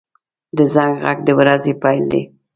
• د زنګ غږ د ورځې پیل دی.